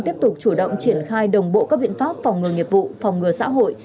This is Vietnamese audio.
tiếp tục chủ động triển khai đồng bộ các biện pháp phòng ngừa nghiệp vụ phòng ngừa xã hội